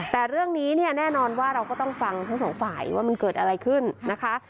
แต่เรื่องนี้เนี่ยแน่นอนว่าเราก็ต้องฟังทั้งสองฝ่ายว่ามันเกิดอะไรขึ้นนะคะ